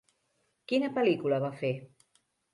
Quina pel·lícula va fer?